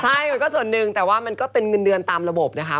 ใช่มันก็ส่วนหนึ่งแต่ว่ามันก็เป็นเงินเดือนตามระบบนะคะ